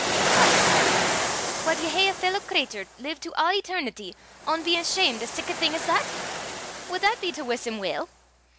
"What, laddie! Wad ye hae a fellow cratur live to a' eternity ohn bein ashamed o' sic a thing 's that? Wad that be to wuss him weel?